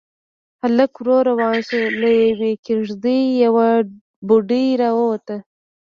هلک ورو روان شو، له يوې کېږدۍ يوه بوډۍ راووته.